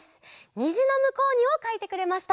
「にじのむこうに」をかいてくれました。